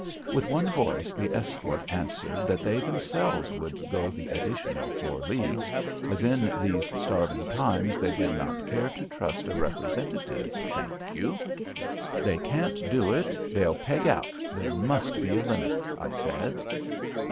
With one voice the escort answered that they themselves would go the additional four leagues, as in these starving times they did not care to trust a representative, thank you. "They can't do it; they'll peg out; there must be a limit," I said.